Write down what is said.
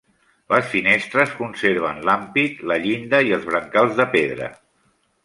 Les finestres conserven l'ampit, la llinda i els brancals de pedra.